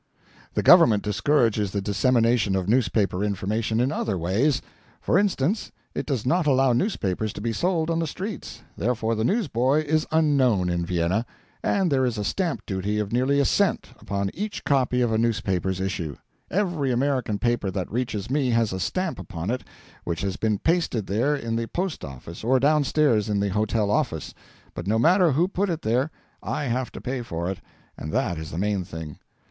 The Government discourages the dissemination of newspaper information in other ways. For instance, it does not allow newspapers to be sold on the streets: therefore the newsboy is unknown in Vienna. And there is a stamp duty of nearly a cent upon each copy of a newspaper's issue. Every American paper that reaches me has a stamp upon it, which has been pasted there in the post office or downstairs in the hotel office; but no matter who put it there, I have to pay for it, and that is the main thing.